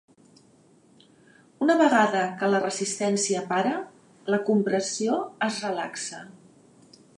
Una vegada que la resistència para la compressió es relaxa.